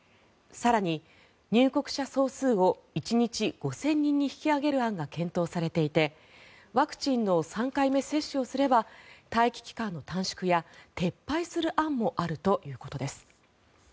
更に、入国者総数を１日５０００人に引き上げる案が検討されていてワクチンの３回目接種をすれば待機期間の短縮や撤廃する案もあるということです。